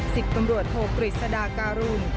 ศิษย์ตำรวจโทษกฤษฎาการุง